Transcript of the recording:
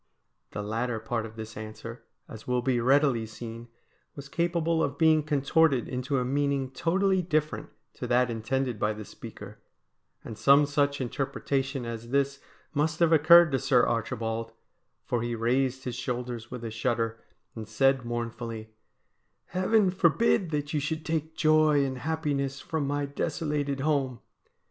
The latter part of this answer, as will be readily seen, was capable of being contorted into a meaning totally different to that intended by the speaker, and some such interpretation as this must have occurred to Sir Archibald, for he raised his shoulders with a shudder, and said mournfully :' Heaven forbid that you should take joy and happiness from my desolated home